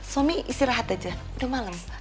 suami istirahat aja udah malem